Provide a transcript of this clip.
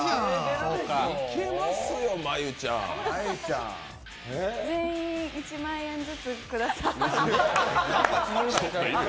いけますよ、真悠ちゃん。全員１万円ずつください。